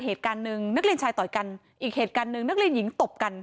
เหตุการณ์หนึ่งนักเรียนชายต่อยกันอีกเหตุการณ์หนึ่งนักเรียนหญิงตบกัน